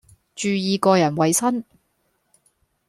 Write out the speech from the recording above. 注意個人衛生